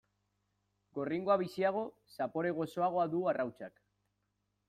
Gorringoa biziago, zapore gozoagoa du arrautzak.